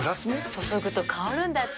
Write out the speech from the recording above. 注ぐと香るんだって。